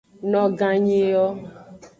Noganyi yo.